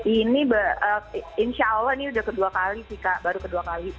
ini insya allah ini udah kedua kali sih kak baru kedua kali